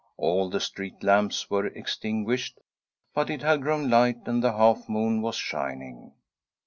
All the street lamps were extinguished, but it had grown light, and the half moon was shining.